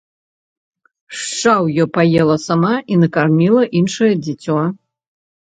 Шчаўе паела сама і накарміла іншае дзіцё.